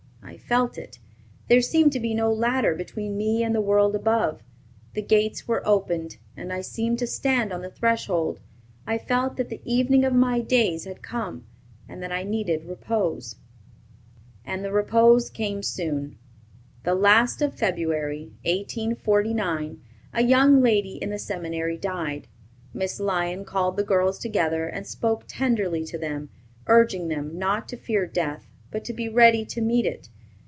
I felt it. There seemed to be no ladder between me and the world above. The gates were opened, and I seemed to stand on the threshold. I felt that the evening of my days had come, and that I needed repose." And the repose came soon. The last of February, 1849, a young lady in the seminary died. Miss Lyon called the girls together and spoke tenderly to them, urging them not to fear death, but to be ready to meet it.